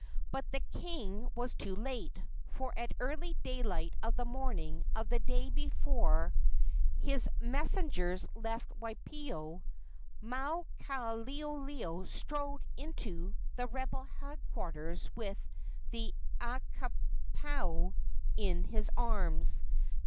But the king was too late, for at early daylight of the morning of the day before his messengers left Waipio, Maukaleoleo strode into the rebel headquarters with the Akuapaao in his arms.